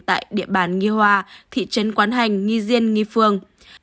tại địa bàn nghi hoa thị trấn quán hành nghi diên nghi phương